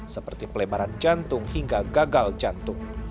seperti pelebaran jantung hingga gagal jantung